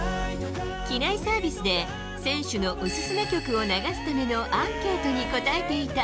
機内サービスで、選手のお勧め曲を流すためのアンケートに答えていた。